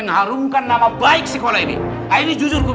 mau nampar gue juga